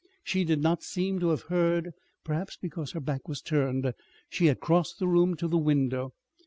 She did not seem to have heard, perhaps because her back was turned. She had crossed the room to the window.